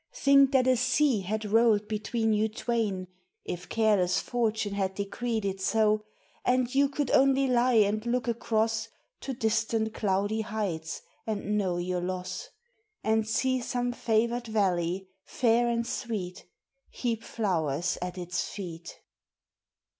Think that a sea had rolled between you twain If careless fortune had decreed it so, And you could only lie and look across To distant cloudy heights and know your loss, And see some favored valley, fair and sweet, Heap flowers at its feet.